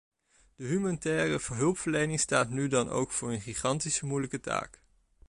De humanitaire hulpverlening staat nu dan ook voor een gigantisch moeilijke taak.